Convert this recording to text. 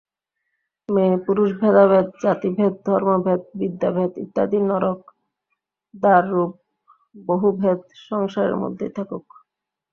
মেয়েপুরুষ-ভেদাভেদ, জাতিভেদ, ধনভেদ, বিদ্যাভেদ ইত্যাদি নরক-দ্বাররূপ বহুভেদ সংসারের মধ্যেই থাকুক।